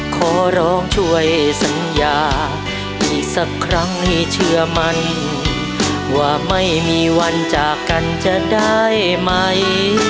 ขอร้องช่วยสัญญาอีกสักครั้งให้เชื่อมันว่าไม่มีวันจากกันจะได้ไหม